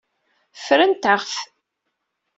Ffrent-aɣ-t.